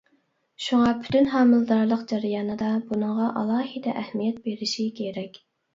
شۇڭا پۈتۈن ھامىلىدارلىق جەريانىدا بۇنىڭغا ئالاھىدە ئەھمىيەت بېرىشى كېرەك.